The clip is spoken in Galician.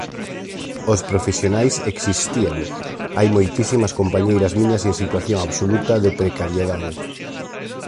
Os profesionais existían; hai moitísimas compañeiras miñas en situación absoluta de precariedade.